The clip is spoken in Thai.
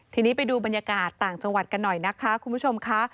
ทีนี้ไปดูบรรยากาศต่างจังหวัดกันหน่อยนะคะคุณผู้ชมค่ะ